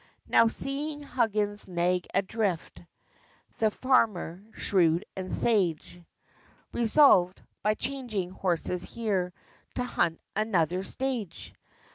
Now seeing Huggins' nag adrift, This farmer, shrewd and sage, Resolved, by changing horses here, To hunt another stage!